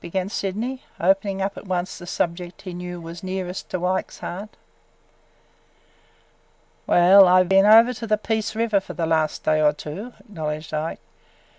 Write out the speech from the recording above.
began Sydney, opening up at once the subject he knew was nearest Ike's heart. "Well, I been over to the Peace River for the last day or two," acknowledged Ike.